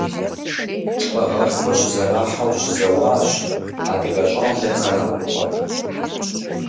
Лӏыгъэшхуэ щызэрахьэу щызэуащ адыгэ щӏалэхэр а щӏыпӏэм.